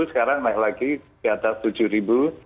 sekarang naik lagi di atas tujuh ribu